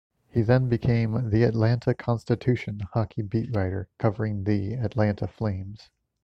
He then became "The Atlanta Constitution" hockey beat writer, covering the "Atlanta Flames".